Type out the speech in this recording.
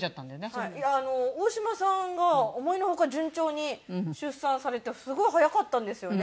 大島さんが思いのほか順調に出産されてすごい早かったんですよね